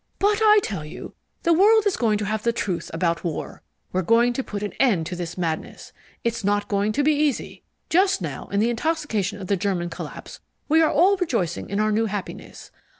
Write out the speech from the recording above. "But I tell you, the world is going to have the truth about War. We're going to put an end to this madness. It's not going to be easy. Just now, in the intoxication of the German collapse, we're all rejoicing in our new happiness.